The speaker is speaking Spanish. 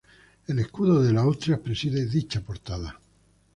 El escudo de los Austrias preside dicha portada.